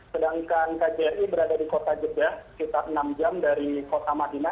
sedangkan kjri berada di kota jeddah sekitar enam jam dari kota madinah